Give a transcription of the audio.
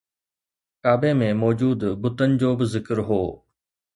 ڪعبي ۾ موجود بتن جو به ذڪر هو